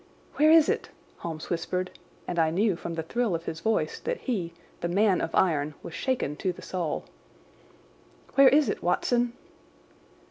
"Where is it?" Holmes whispered; and I knew from the thrill of his voice that he, the man of iron, was shaken to the soul. "Where is it, Watson?"